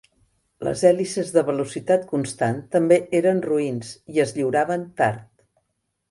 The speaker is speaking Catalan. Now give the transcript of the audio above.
Les hèlices de velocitat constant també eren roïns i es lliuraven tard.